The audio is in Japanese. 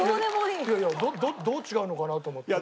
どう違うのかなと思って。